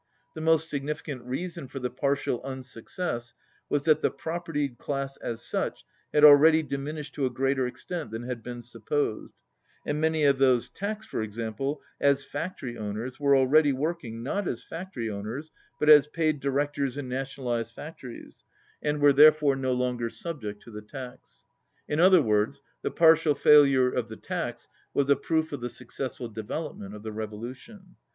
The most significant rea son for the partial unsuccess was that the proper tied class, as such, had already diminished to a greater extent than had been supposed, and many of those taxed, for example, as factory owners were already working, not as factory owners, but as paid directors in nationalized factories, and were there 115 fore no longer subject to th.e tax. In other words, the partial failure of the tax was a proof of the successful development of the revolution.